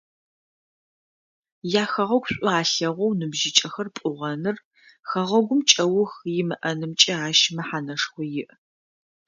Яхэгъэгу шӏу алъэгъоу ныбжьыкӏэхэр пӏугъэныр, хэгъэгум кӏэух имыӏэнымкӏэ ащ мэхьанэшхо иӏ.